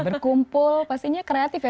berkumpul pastinya kreatif ya